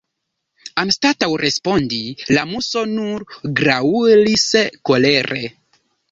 Anstataŭ respondi, la Muso nur graŭlis kolere.